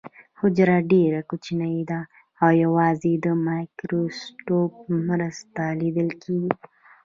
حجره ډیره کوچنۍ ده او یوازې د مایکروسکوپ په مرسته لیدل کیږي